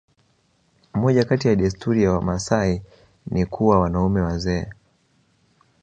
moja kati ya desturi ya wamaasai ni kuwa wanaume wazee